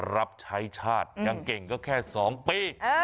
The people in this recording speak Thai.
รับใช้ชาติยังเก่งก็แค่๒ปี